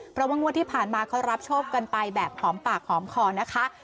เพราะว่างวดที่ผ่านมาเขารับโชคกันไปแบบหอมปากหอมคอนะคะ